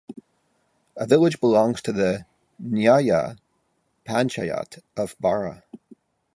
The village belongs to the nyaya panchayat of Bara.